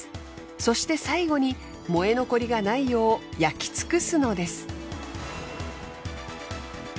そして最後に燃え残りがないよう焼き尽くすのです。